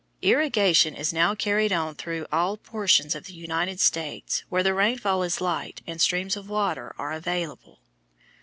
Irrigation is now carried on through all portions of the United States where the rainfall is light and streams of water are available.